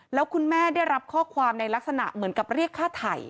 แล้วคุณแม่ได้รับข้อความในลักษณะเหมือนกับเรียกค่าไถ่